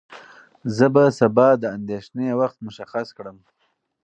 زه به سبا د اندېښنې وخت مشخص کړم.